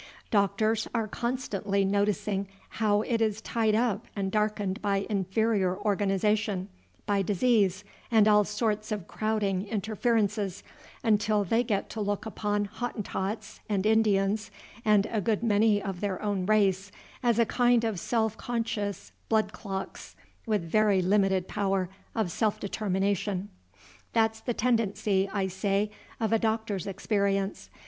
Doctors are constantly noticing how it is tied up and darkened by inferior organization, by disease, and all sorts of crowding interferences, until they get to look upon Hottentots and Indians and a good many of their own race as a kind of self conscious blood clocks with very limited power of self determination. That's the tendency, I say, of a doctor's experience.